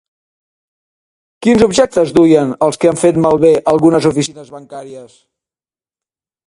Quins objectes duien els que han fet malbé algunes oficines bancàries?